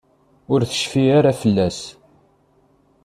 Ur tecfi ara fell-as.